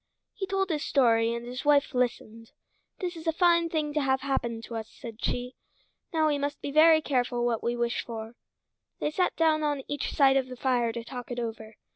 He told his story and his wife listened. "This is a fine thing to have happen to us," said she. "Now we must be very careful what we wish for." They sat down one on each side of the fire to talk it over.